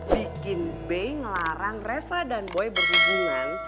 bikin be ngelarang reva dan boy berhubungan